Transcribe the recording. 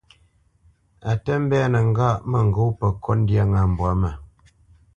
A tə mbénə ŋgâʼ mə ŋgó pə kot ndyâ ŋá mbwǎ mə.